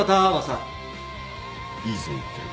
いい線いってる。